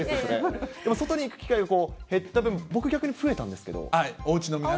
でも外に行く機会が減った分、僕、逆に増えたんですけど。